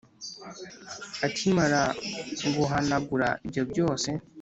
akimara guhanagura ibyo byose